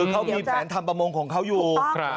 เขามีแผนทำประมงของเขาอยู่